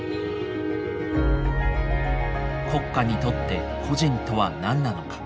国家にとって個人とは何なのか。